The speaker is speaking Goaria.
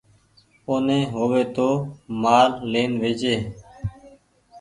او ني هووي تو مآل لين ويچي۔